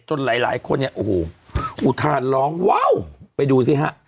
หลายหลายคนเนี่ยโอ้โหอุทานร้องว้าวไปดูสิฮะ